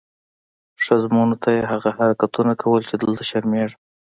ښځمنو ته یې هغه حرکتونه کول چې دلته شرمېږم.